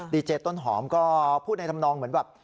ดีเจต้นหอมก็พูดในธรรมนองเหมือนแบบ